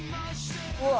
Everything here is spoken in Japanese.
うわ！